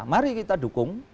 mari kita dukung